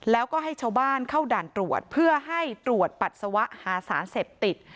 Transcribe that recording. แล้วก็ให้ชาวบ้านเข้าด่านตรวจเพื่อให้ตรวจปัสสาวะหาสารเสพติด